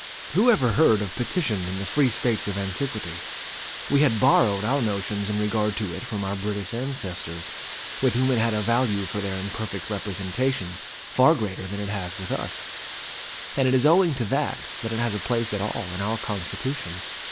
Who ever heard of petition in the free States of antiquity? We had borrowed our notions in regard to it from our British ancestors, with whom it had a value for their imperfect representation far greater than it has with us; and it is owing to that that it has a place at all in our Constitution.